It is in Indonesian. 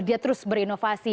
dia terus berinovasi